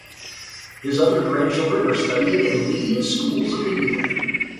His other grandchildren are studying in leading schools of India.